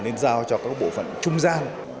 nên giao cho các bộ phận trung gian